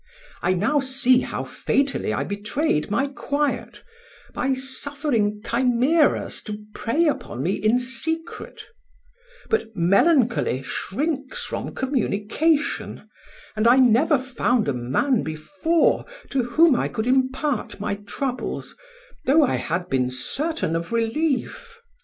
I now see how fatally I betrayed my quiet, by suffering chimeras to prey upon me in secret; but melancholy shrinks from communication, and I never found a man before to whom I could impart my troubles, though I had been certain of relief.